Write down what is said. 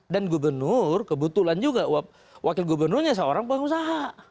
dan gubernur kebetulan juga wakil gubernurnya seorang pengusaha